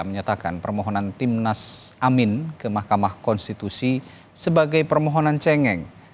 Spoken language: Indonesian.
menyatakan permohonan timnas amin ke mahkamah konstitusi sebagai permohonan cengeng